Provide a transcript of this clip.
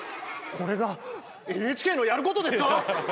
これがＮＨＫのやることですか！？